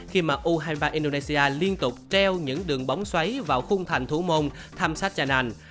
khi mà u hai mươi ba indonesia liên tục treo những đường bóng xoáy vào khung thành thủ môn tham sát chăn nàn